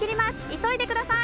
急いでください。